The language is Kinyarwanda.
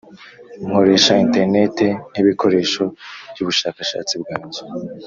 nkoresha interineti nkibikoresho byubushakashatsi bwanjye.